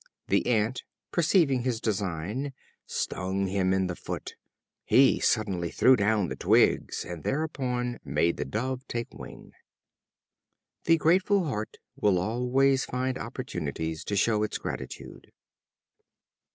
The Ant, perceiving his design, stung him in the foot. He suddenly threw down the twigs, and thereupon made the Dove take wing. The grateful heart will always find opportunities to show its gratitude.